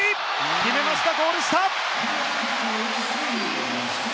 決めました、ゴール下！